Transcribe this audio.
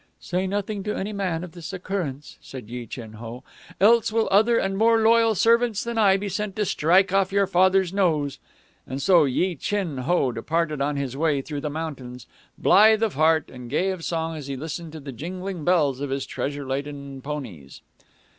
"Say nothing to any man of this occurrence," said Yi Chin Ho, "else will other and more loyal servants than I be sent to strike off your father's nose." And so Yi Chin Ho departed on his way through the mountains, blithe of heart and gay of song as he listened to the jingling bells of his treasure laden ponies.